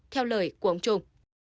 theo lời của ông trung